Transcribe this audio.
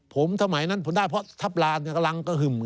ผมสมัยนั้นผมได้เพราะทัพลานกำลังกระหึ่ม